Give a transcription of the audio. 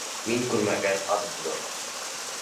Мин күрмәгән аҙ булыр